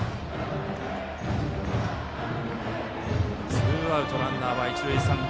ツーアウトランナー、一塁三塁。